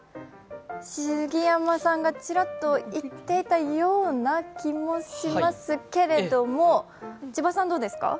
杉山さんがちらっと言っていたような気もしますけれども千葉さんどうですか？